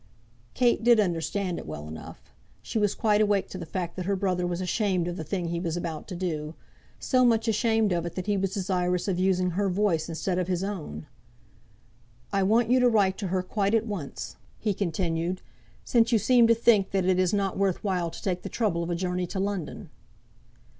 Kate did understand it well enough. She was quite awake to the fact that her brother was ashamed of the thing he was about to do, so much ashamed of it that he was desirous of using her voice instead of his own. "I want you to write to her quite at once," he continued; "since you seem to think that it is not worth while to take the trouble of a journey to London."